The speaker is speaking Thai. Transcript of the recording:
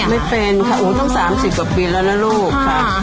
ไม่เป็นค่ะตั้ง๓๐กว่าปีแล้วนะลูกค่ะ